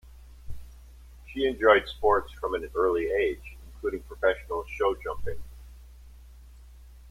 She enjoyed sports from an early age, including professional showjumping.